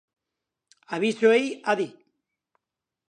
Abisuei, adi.